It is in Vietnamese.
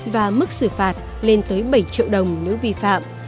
và mức xử phạt lên tới bảy triệu đồng nếu vi phạm